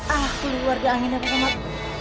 ah keluarga anginnya pak somad